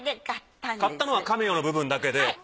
買ったのはカメオの部分だけで。